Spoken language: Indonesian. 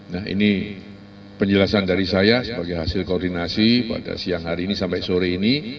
nah ini penjelasan dari saya sebagai hasil koordinasi pada siang hari ini sampai sore ini